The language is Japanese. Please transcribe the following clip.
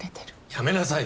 やめなさい。